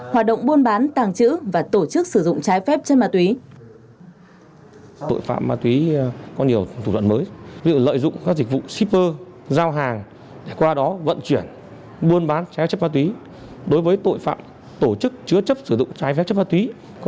hoạt động buôn bán tàng trữ và tổ chức sử dụng trái phép chất ma túy